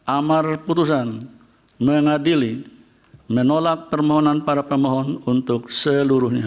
amar putusan mengadili menolak permohonan para pemohon untuk seluruhnya